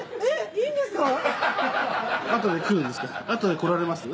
いいんですか？